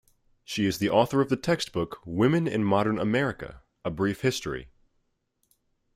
She is the author of the textbook Women in Modern America: A Brief History.